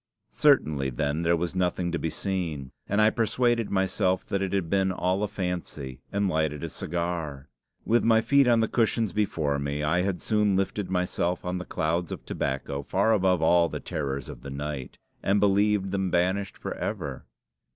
Certainly then there was nothing to be seen, and I persuaded myself that it had been all a fancy, and lighted a cigar. With my feet on the cushions before me, I had soon lifted myself on the clouds of tobacco far above all the terrors of the night, and believed them banished for ever.